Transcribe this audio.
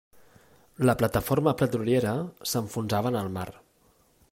La plataforma petroliera s'enfonsava en el mar.